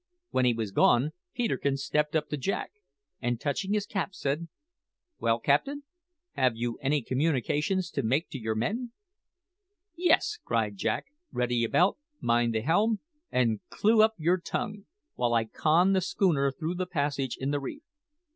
When he was gone, Peterkin stepped up to Jack, and touching his cap, said: "Well, captain, have you any communications to make to your men?" "Yes," cried Jack: "ready about, mind the helm, and clew up your tongue, while I con the schooner through the passage in the reef.